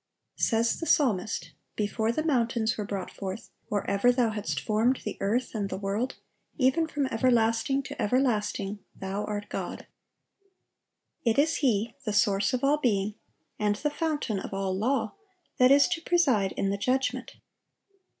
Says the psalmist, "Before the mountains were brought forth, or ever Thou hadst formed the earth and the world, even from everlasting to everlasting, Thou art God."(836) It is He, the source of all being, and the fountain of all law, that is to preside in the judgment.